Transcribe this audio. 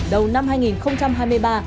đầu năm hai nghìn hai mươi ba